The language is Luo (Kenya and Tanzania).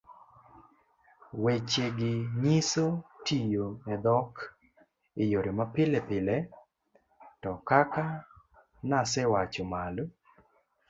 wechegi nyiso tiyo e dhok e yore mapilepile to kaka nasewacho malo,